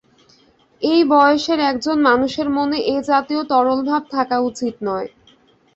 এই বয়সের একজন মানুষের মনে এ জাতীয় তরল ভাব থাকা উচিত নয়।